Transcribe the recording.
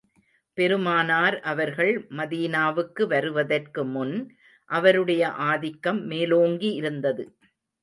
பெருமானார் அவர்கள் மதீனாவுக்கு வருவதற்கு முன், அவருடைய ஆதிக்கம் மேலோங்கி இருந்தது.